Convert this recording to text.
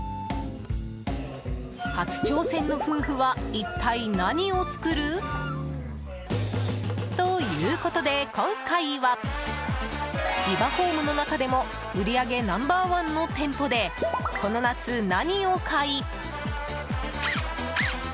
初挑戦の夫婦は一体何を作る？ということで今回はビバホームの中でも売り上げナンバー１の店舗でこの夏、何を買い。